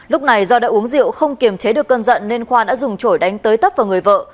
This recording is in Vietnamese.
lúc này do đã uống rượu không kiềm chế được cân dận nên khoa đã dùng chổi đánh tới tấp vào người vợ